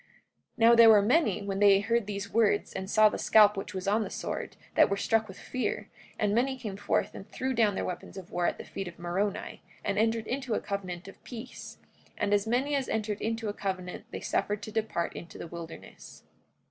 44:15 Now there were many, when they heard these words and saw the scalp which was upon the sword, that were struck with fear; and many came forth and threw down their weapons of war at the feet of Moroni, and entered into a covenant of peace. And as many as entered into a covenant they suffered to depart into the wilderness.